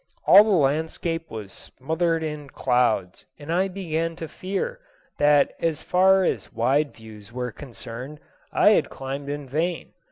All the landscape was smothered in clouds and I began to fear that as far as wide views were concerned I had climbed in vain.